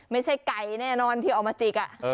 ไม่ใช่ไก่แน่นอนที่เอามาจิก